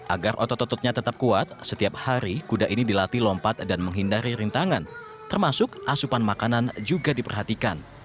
agar otot ototnya tetap kuat setiap hari kuda ini dilatih lompat dan menghindari rintangan termasuk asupan makanan juga diperhatikan